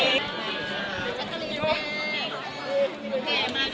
สวัสดีสวัสดีสวัสดี